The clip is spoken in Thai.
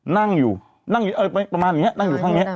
นั่งอยู่ประมาณอย่างเงี้ย